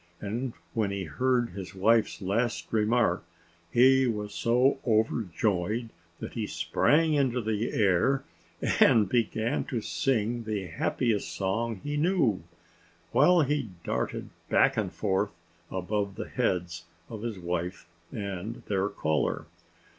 And when he heard his wife's last remark he was so overjoyed that he sprang into the air and began to sing the happiest song he knew, while he darted back and forth above the heads of his wife and their caller.